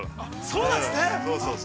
◆そうなんですね。